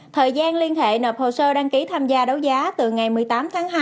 thời gian liên hệ nộp hồ sơ đăng ký tham gia đấu giá từ ngày một mươi tám tháng hai